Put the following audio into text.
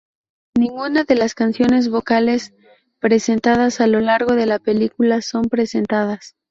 Ninguna de las canciones vocales presentadas a lo largo de la película son presentadas.